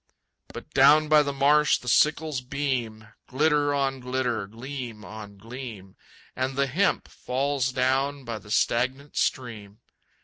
But down by the marsh the sickles beam, Glitter on glitter, gleam on gleam, And the hemp falls down by the stagnant stream.